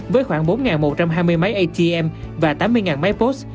với khoảng bốn một trăm hai mươi máy atm và tám mươi máy post